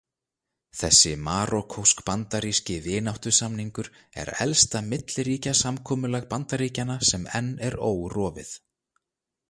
Þessi marokkósk-bandaríski vináttusamningur er elsta milliríkjasamkomulag Bandaríkjanna sem enn er órofið.